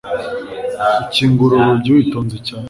Ukingura urugi witonze cyane